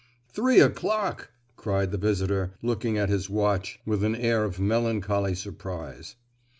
"Three o'clock!" cried the visitor, looking at his watch with an air of melancholy surprise.